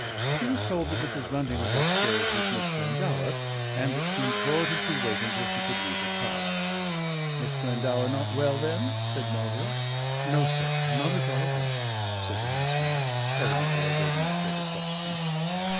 He was told that Mrs. Bunting was upstairs with Miss Glendower and that she implored him to wait until she could leave her charge. "Miss Glendower not well, then?" said Melville. "No, sir, not at all well," said the housemaid, evidently awaiting a further question.